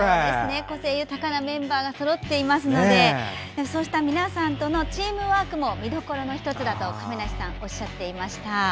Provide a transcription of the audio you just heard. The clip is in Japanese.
個性豊かなメンバーがそろっていますのでそうした皆さんとのチームワークも見どころの１つだと亀梨さん、おっしゃっていました。